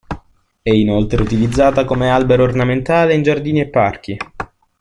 È inoltre utilizzata come albero ornamentale in giardini e parchi.